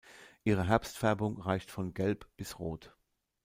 Ihre Herbstfärbung reicht von gelb bis rot.